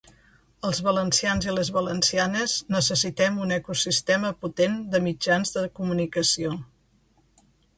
Els valencians i les valencianes necessitem un ecosistema potent de mitjans de comunicació.